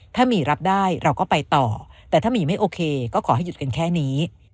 ถ้าหมีรับได้เราก็ไปต่อแต่ถ้าหมีไม่โอเคก็ขอให้หยุดกันแค่นี้